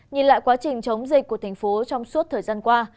nhìn lại quá trình chống dịch của thành phố trong suốt thời gian qua